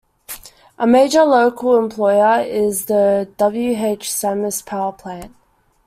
A major local employer is the W. H. Sammis Power Plant.